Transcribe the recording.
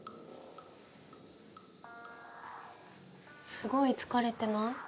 すごい疲れてない？